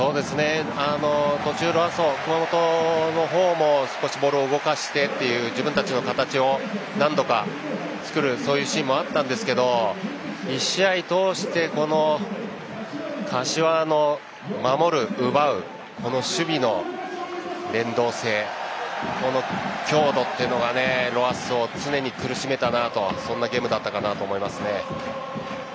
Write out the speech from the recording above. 途中、熊本の方もボールを動かしてという自分たちの形を何度か作るシーンもあったんですけど１試合通して柏の守る、奪うという守備の連動性の強度というのがロアッソを常に苦しめたそんなゲームだったかなと思います。